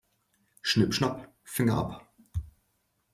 Schnipp-schnapp, Finger ab.